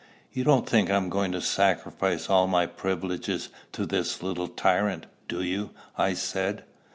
"You don't think I am going to sacrifice all my privileges to this little tyrant, do you?" I said.